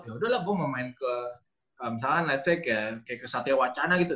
ya udah lah gue mau main ke misalnya ke satya wacana gitu